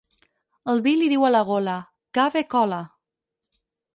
El vi li diu a la gola: «Que bé cola!».